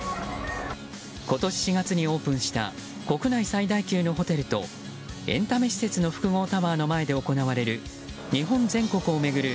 今年４月にオープンした国内最大級のホテルとエンタメ施設の複合タワーの前で行われる日本全国を巡る！